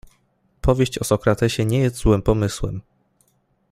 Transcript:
„Powieść o Sokratesie nie jest złym pomysłem.